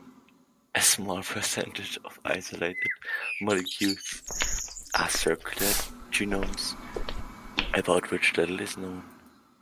A small percentage of isolated molecules are circular genomes, about which little is known.